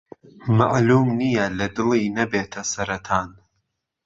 مهعلووم نييه ڵه دڵی نهبێته سهرهتان